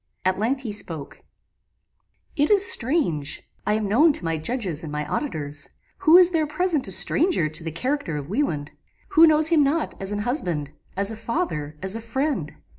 At length he spoke: "It is strange; I am known to my judges and my auditors. Who is there present a stranger to the character of Wieland? who knows him not as an husband as a father as a friend?